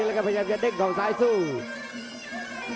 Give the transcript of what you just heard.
โอ้โหไม่พลาดกับธนาคมโด้แดงเขาสร้างแบบนี้